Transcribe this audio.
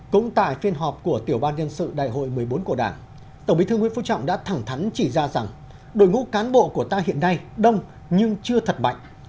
cũng tại phiên họp của tiểu ban nhân sự đại hội một mươi bốn của đảng tổng bí thư nguyễn phú trọng đã thẳng thắn chỉ ra rằng đội ngũ cán bộ của ta hiện nay đông nhưng chưa thật mạnh